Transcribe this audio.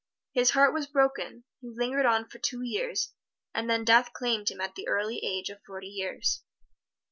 His heart was broken; he lingered on for two years, and then death claimed him at the early age of forty years.